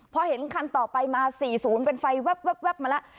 พอเห็นคันต่อไปมา๔๐เป็นไฟแว๊บมาแล้ว